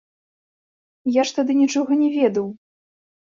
Я ж тады нічога не ведаў.